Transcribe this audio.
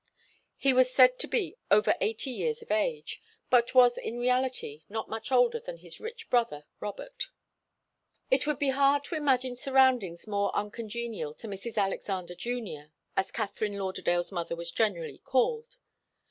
He was said to be over eighty years of age, but was in reality not much older than his rich brother Robert. It would be hard to imagine surroundings more uncongenial to Mrs. Alexander Junior, as Katharine Lauderdale's mother was generally called.